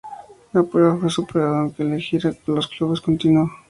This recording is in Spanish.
La prueba fue superada, aunque le gira por los clubes continuó.